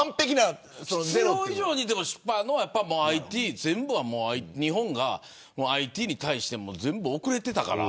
必要以上に失敗があるのは日本がＩＴに対して全部遅れていたから。